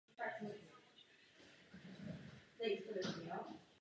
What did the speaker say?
Vedle samotného prodeje se zaměřuje zejména na marketingovou podporu prodávaných akcí.